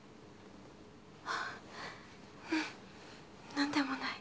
何でもない。